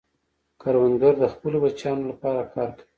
کروندګر د خپلو بچیانو لپاره کار کوي